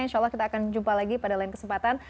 insya allah kita akan jumpa lagi pada lain kesempatan